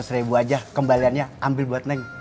seratus ribu aja kembaliannya ambil buat naik